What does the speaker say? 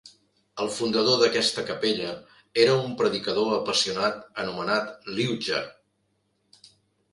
El fundador d'aquesta capella era un predicador apassionat anomenat Liudger.